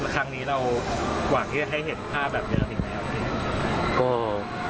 ครั้งนี้เราหวังที่จะให้เห็นภาพแบบเยอะหรือเปลี่ยนไหมครับก็